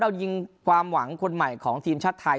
เรายิงความหวังคนใหม่ของทีมชาติไทย